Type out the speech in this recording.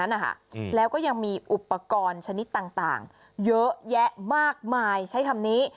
แล้วก็ยังมีอุปกรณ์ชนิดต่างเยอะแยะมากมายใช้คำนี้